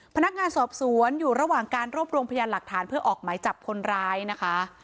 พนักงานสอบสวนอยู่ระหว่างการรวบรวมพยานหลักฐานเพื่อออกหมายจับคนร้ายนะคะ